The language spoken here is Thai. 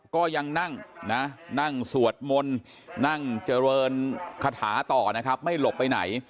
ก็ยังนั่งนะนั่งสวดมนต์นั่งเจริญคาถาต่อนะครับไม่หลบไปไหน